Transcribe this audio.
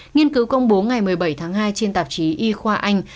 nghiên cứu công bố ngày một mươi bảy tháng hai trên tạp chí y khoa anh